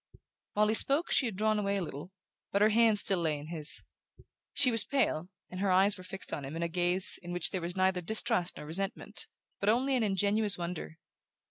While he spoke she had drawn away a little, but her hand still lay in his. She was pale, and her eyes were fixed on him in a gaze in which there was neither distrust or resentment, but only an ingenuous wonder.